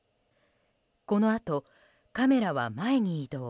このあと、カメラは前に移動。